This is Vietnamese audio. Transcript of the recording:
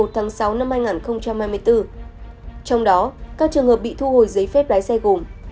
trong đó các trường hợp bị thu hồi giấy phép lái xe gồm